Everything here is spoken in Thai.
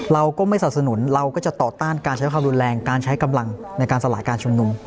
เราก็ไม่สนับสนุนเราก็จะต่อต้านการใช้ความรุนแรงการใช้กำลังในการสลายการชุมนุม